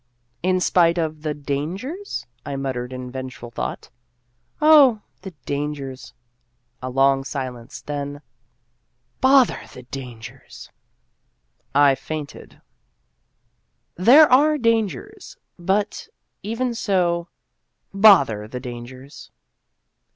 "In spite of the 'dangers'?" I muttered in vengeful thought. "Oh, the 'dangers.'" Danger ! 267 A long silence. Then, " Bother the ' dangers '!" (I fainted.) There are " dangers," but Even so, Bother the "dangers"!